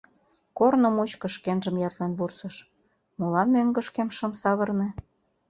Корно мучко шкенжым ятлен вурсыш: «Молан мӧҥгышкем шым савырне.